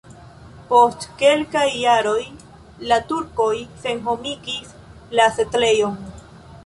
Post kelkaj jaroj la turkoj senhomigis la setlejon.